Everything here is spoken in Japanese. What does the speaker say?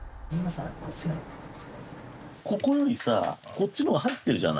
ここよりさこっちの方が入ってるじゃない。